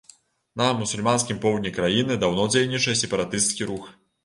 На мусульманскім поўдні краіны даўно дзейнічае сепаратысцкі рух.